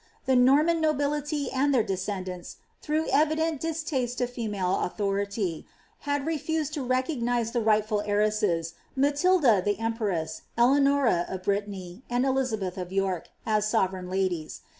The Norman nobility and their descendants, through evident distaele to female authority, had refused to recognise the right^l heiresses, Matikk the empress, Eleanora of Brittany, and Elizabeth of York, as sovereign ladies.